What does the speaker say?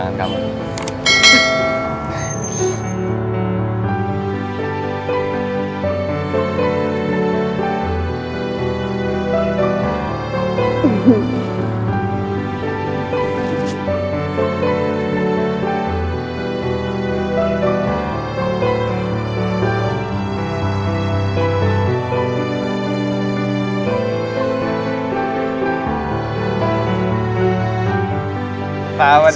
nama gue adults banget